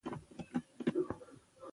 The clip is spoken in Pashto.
ژبني بې پروایي د فرهنګي شاتګ لامل کیږي.